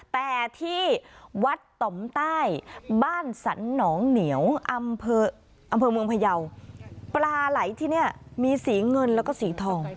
แต่ที่วัดต่อมใต้บ้านสรรหนองเหนียวอำเภอเมืองพยาวปลาไหลที่นี่มีสีเงินแล้วก็สีทอง